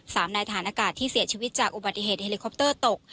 สามนายฐานอากาศที่เสียชีวิตจากอุบัติเหตุเฮลิคอปเตอร์ตก